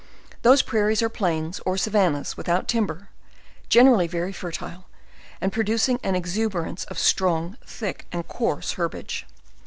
Those prairies are plains, or savannas, with out timber; generally very fertile, and producing an exuber ance of strong, thick and coarse herbage.